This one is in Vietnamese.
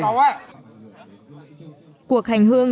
ừ cuộc hành hương